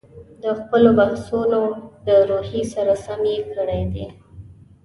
د خپلو بحثونو د روحیې سره سم یې کړي دي.